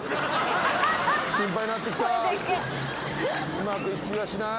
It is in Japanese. うまくいく気がしない。